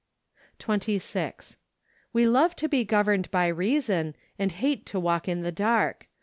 " SEPTEMBER. 107 26. We love to be governed by reason, and bate to walk in the dark.